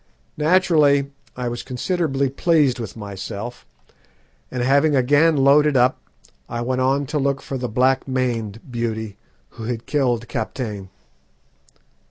Naturally I was considerably pleased with myself, and having again loaded up, I went on to look for the black maned beauty who had killed Kaptein.